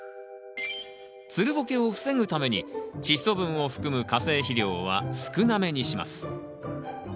つるボケを防ぐためにチッ素分を含む化成肥料は少なめにします。